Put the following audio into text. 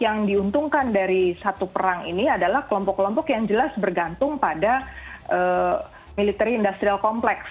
yang diuntungkan dari satu perang ini adalah kelompok kelompok yang jelas bergantung pada military industrial complex